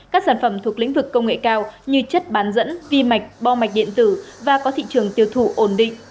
các sản phẩm thuộc lĩnh vực công nghệ cao như chất bán dẫn vi mạch bo mạch điện tử và có thị trường tiêu thụ ổn định